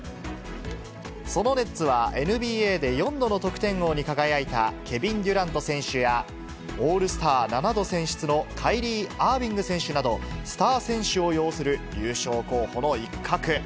そのネッツは、ＮＢＡで４度の得点王に輝いたケビン・デュラント選手や、オールスター７度選出のカイリー・アービング選手など、スター選手を擁する優勝候補の一角。